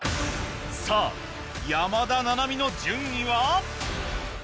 さぁ山田七海の順位は？